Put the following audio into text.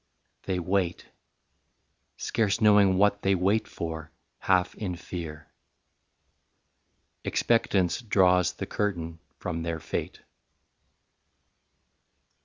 They wait, Scarce knowing what they wait for, half in fear; Expectance draws the curtain from their fate.